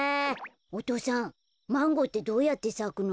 お父さんマンゴーってどうやってさくの？